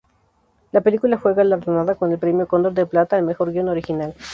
La película fue galardonada con el premio Cóndor de Plata al mejor guion original.